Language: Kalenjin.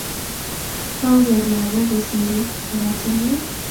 koageer lagok kosire ortinwe